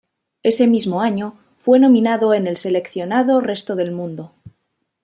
Ese mismo año, fue nominado en el seleccionado resto del mundo.